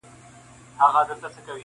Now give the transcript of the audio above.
o خپلوۍ سوې ختمي غريبۍ خبره ورانه سوله,